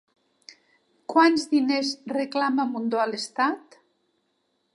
Quants diners reclama Mundó a l'Estat?